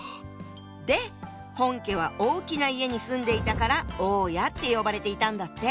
で本家は大きな家に住んでいたから「大家」って呼ばれていたんだって。